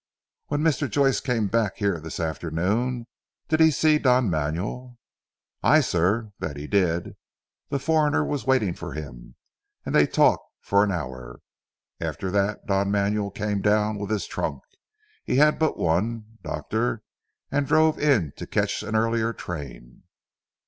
"When Mr. Joyce came back here this afternoon did he see Don Manuel?" "Aye sir, that he did. The foreigner was waiting for him, and they talked for an hour. After that Don Manuel came down with his trunk he had but one, doctor, and drove in to catch an earlier train."